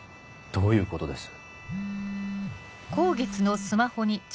どういうことです？